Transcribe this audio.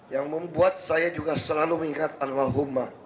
yang membuat saya juga selalu mengingat allahumma